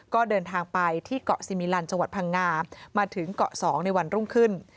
ก็เดินทางไปที่เกาะซิมิลันจังหวัดพังงามาถึงเกาะ๒ในวันรุ่งขึ้น